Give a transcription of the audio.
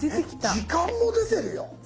時間も出てるよ。